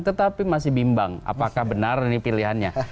tetapi masih bimbang apakah benar ini pilihannya